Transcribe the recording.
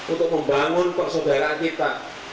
untuk membangun persaudaraan kita